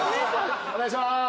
お願いします。